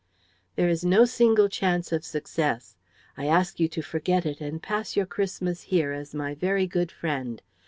"There is no single chance of success. I ask you to forget it and to pass your Christmas here as my very good friend.